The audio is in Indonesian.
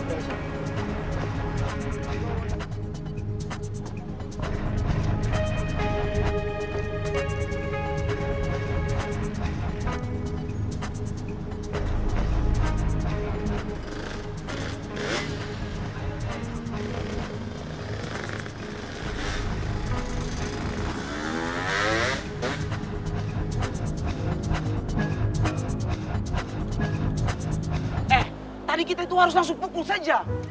eh tadi kita itu harus langsung pukul saja